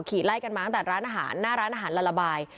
ไล่กันมาตั้งแต่ร้านอาหารหน้าร้านอาหารละบาย